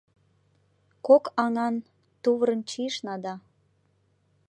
Кок аҥан тувырым чийышна да